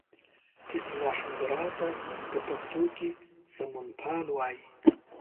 اصلاح ګرا ته په پښتو کې سمونپال وایي.